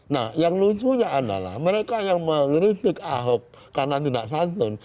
nah yang lucunya adalah mereka yang mengeritik ahok karena tidak santun